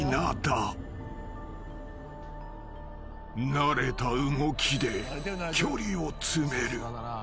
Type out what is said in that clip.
［慣れた動きで距離を詰める］